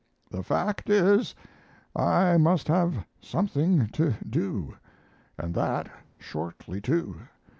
The fact is, I must have something to do, and that shortly, too....